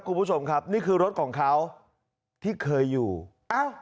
คุณผู้ชมครับนี่คือรถของเขาที่เคยอยู่อ้าว